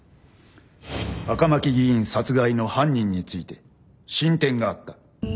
赤巻議員殺害の犯人について進展があった。